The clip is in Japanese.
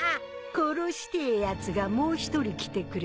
殺してえやつがもう一人来てくれたよ。